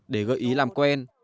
để gợi ý làm quen